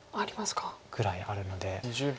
くらいあるので。